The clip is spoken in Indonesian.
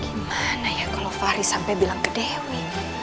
gimana ya kalau fahri sampai bilang ke dewi